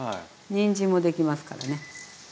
にんじんもできますからね。